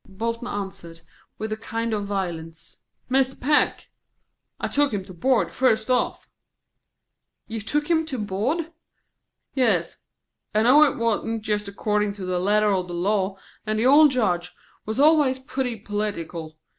Bolton answered, with a kind of violence, "Mr. Peck; I took him to board, first off." "You took him to board?" "Yes. I know it wa'n't just accordin' to the letter o' the law, and the old Judge was always pootty p'tic'lah.